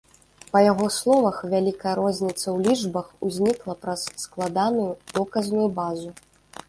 Па яго словах, вялікая розніца ў лічбах узнікла праз складаную доказную базу.